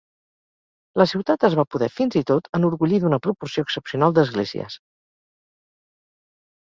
La ciutat es va poder, fins i tot, enorgullir d'una proporció excepcional d'esglésies.